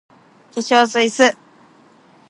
化粧水 ｓ